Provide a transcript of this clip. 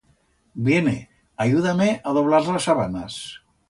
Viene, aduya-me a doblar las sabanas.